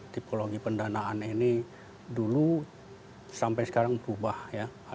tipologi pendanaan ini dulu sampai sekarang berubah ya